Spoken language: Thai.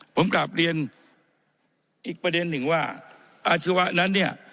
ผมกลับเรียนอีกประเด็นหนึ่งว่าอาชีวะนั้นเนี่ย